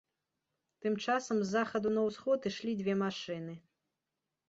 Тым часам з захаду на ўсход ішлі дзве машыны.